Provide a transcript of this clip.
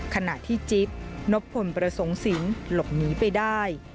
ขณะที่จิ๊บนพลประสงค์สินหลบหนีไปได้